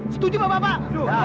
setuju pak bapak